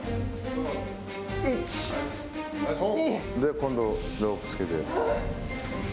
今度、ロープつけて。